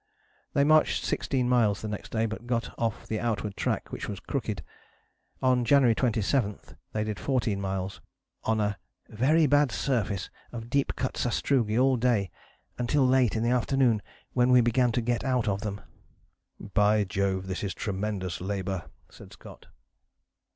They marched 16 miles the next day, but got off the outward track, which was crooked. On January 27 they did 14 miles on a "very bad surface of deep cut sastrugi all day, until late in the afternoon when we began to get out of them." "By Jove, this is tremendous labour," said Scott.